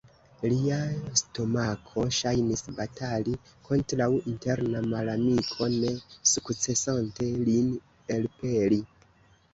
Lia stomako ŝajnis batali kontraŭ interna malamiko, ne sukcesante lin elpeli.